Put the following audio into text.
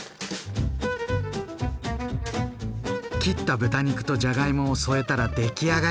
切った豚肉とじゃがいもを添えたら出来上がり！